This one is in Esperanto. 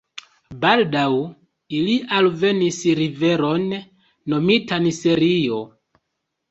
Baldaŭ ili alvenis riveron, nomitan Serio.